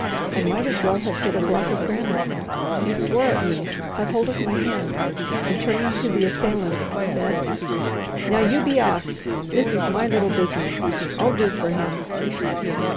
I might as well have hit a block of granite. He swore at me, caught hold of my hand, and turning to the assailants said: "Now, you be off! This is my little business. I'll do for him!"